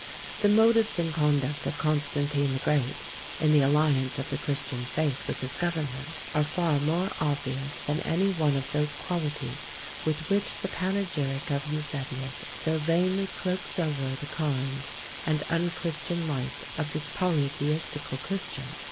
The motives and conduct of Constantine the Great, in the alliance of the Christian faith with his government, are far more obvious than any one of those qualities with which the panegyric of Eusebius so vainly cloaks over the crimes and unchristian life of this polytheistical Christian.